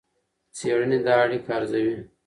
څېړنې دا اړیکه ارزوي.